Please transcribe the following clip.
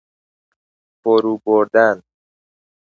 فرو بردن